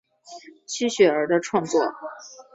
区雪儿的创作。